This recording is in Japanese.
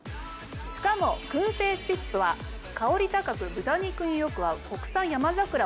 しかもくん製チップは香り高く豚肉によく合う。